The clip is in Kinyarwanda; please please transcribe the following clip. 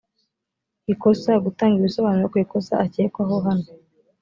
ikosa gutanga ibisobanuro ku ikosa akekwaho hano